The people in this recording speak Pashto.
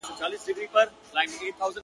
چي کور ودان، د ورور ودان.